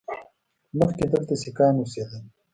مخکې دلته سیکان اوسېدل